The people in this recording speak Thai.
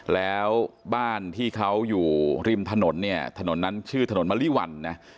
แล้วบ้านที่เขาอยู่ริมถนนนั้นชื่อถนนมะลิวัล